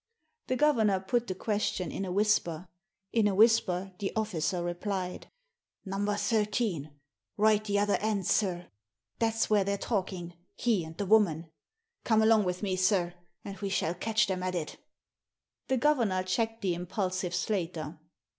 The governor put the question in a whisper. In a whisper the officer replied —" Number thirteen — right the other end, sir. That's where they're talking — ^he and the woman. Come along with me, sir, and we shall catch them at it" The governor checked the impulsive Slater.